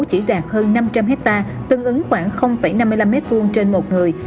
chỉ đạt hơn năm trăm linh hectare tương ứng khoảng năm mươi năm m hai trên một người